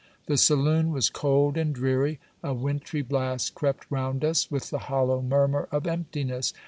The saloon was cold and dreary; a wintry blast crept round us, with the hollow murmur of emptiness.